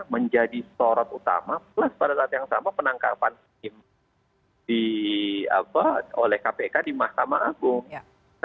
menjadi sorot utama plus pada saat yang sama penangkapan hakim oleh kpk di mahkamah agung